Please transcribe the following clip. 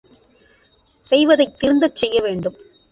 செய்வதைத் திருந்தச் செய்ய வேண்டும்!